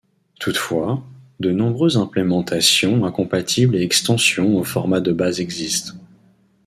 Toutefois, de nombreuses implémentations incompatibles et extensions au format de base existent.